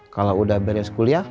kalau udah beres kuliah